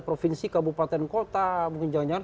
provinsi kabupaten kota mungkin jangan jangan